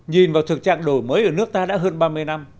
nhìn vào thực trạng đổi mới ở nước ta đã hơn ba mươi năm